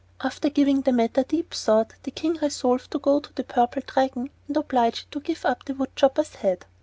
After giving the matter deep thought, the King resolved to go to the Purple Dragon and oblige it to give up the wood chopper's head.